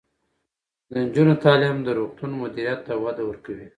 د نجونو تعلیم د روغتون مدیریت ته وده ورکوي.